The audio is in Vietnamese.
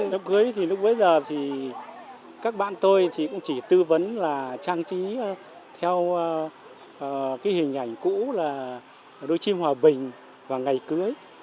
đám cưới thì lúc bấy giờ thì các bạn tôi thì cũng chỉ tư vấn là trang trí theo cái hình ảnh cũ là đôi chim hòa bình và ngày cưới